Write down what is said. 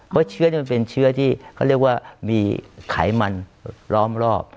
เพราะเชื้อมันเป็นเชื้อที่เขาเรียกว่ามีไขมันล้อมรอบ